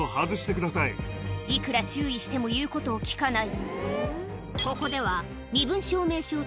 いくら注意しても言うことを聞かない